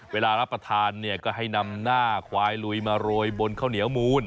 เวลารับประทานเนี่ยก็ให้นำหน้าควายลุยมาโรยบนข้าวเหนียวมูล